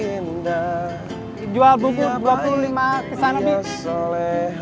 jika ingin anak jadi anak soleh